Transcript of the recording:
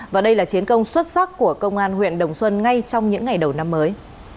và đây là chiến công xuất sắc của công an huyện đồng xuân ngay trong những ngày đầu năm mới